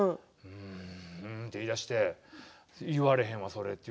うーんって言いだして言われへんわ、それって。